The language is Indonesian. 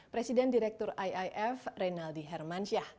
presiden direktur iif reynaldi hermansyah